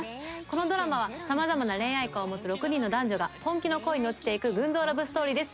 このドラマは様々な恋愛観を持つ６人の男女が本気の恋に落ちていく群像ラブストーリーです。